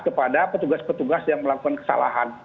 kepada petugas petugas yang melakukan kesalahan